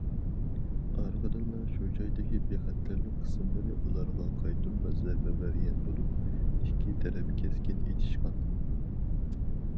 ئارقىدىنلا شۇ جايدىكى بىخەتەرلىك قىسىملىرى ئۇلارغا قايتۇرما زەربە بەرگەن بولۇپ، ئىككى تەرەپ كەسكىن ئېتىشقان.